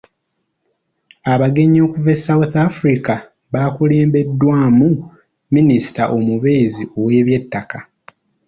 Abagenyi okuva e South Africa baakulembeddwamu Minisita omubeezi ow'eby'ettaka.